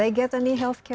apakah anak anak mereka